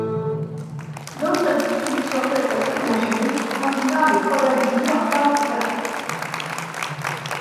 D'autres distributions peuvent être imaginées, conduisant à des probabilités encore différentes.